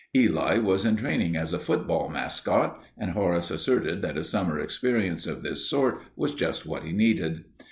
Eli was in training as a football mascot, and Horace asserted that a summer experience of this sort was just what he needed.